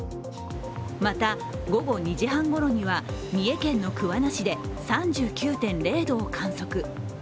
また、午後２時半ごろには、三重県の桑名市で３９．０度を観測。